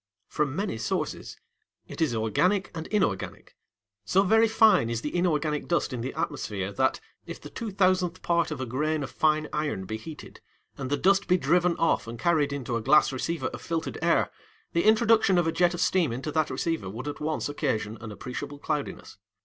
From many sources. It is organic and inorganic. So very fine is the inorganic dust in the atmosphere that, if the two thousandth part of a grain of fine iron be heated, and the dust be driven off and carried into a glass receiver of filtered air, the introduction of a jet of steam into that receiver would at once occasion an appreciable cloudiness.